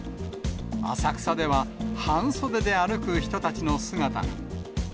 浅草では、半袖で歩く人たちの姿が。